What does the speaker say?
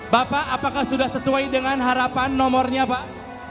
bapak apakah sudah sesuai dengan harapan nomornya pak